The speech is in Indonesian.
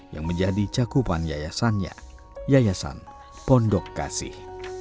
yang menjadi cakupan yayasannya yayasan pondok kasih